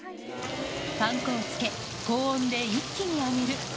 パン粉をつけ、高温で一気に揚げる。